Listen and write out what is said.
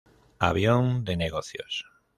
Avión de negocios.